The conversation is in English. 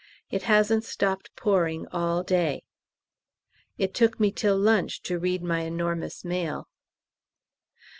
It hasn't stopped pouring all day. It took me till lunch to read my enormous mail.